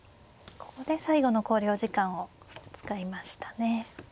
ここで最後の考慮時間を使いましたね。